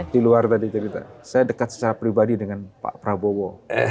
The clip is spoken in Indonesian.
di luar tadi cerita saya dekat secara pribadi dengan pak prabowo